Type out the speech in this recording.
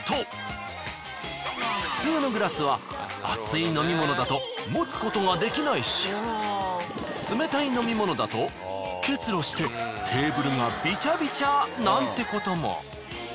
普通のグラスは熱い飲み物だと持つことができないし冷たい飲み物だと結露してテーブルがビチャビチャなんてことも。